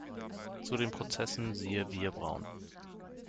Zu den Prozessen siehe Bierbrauen.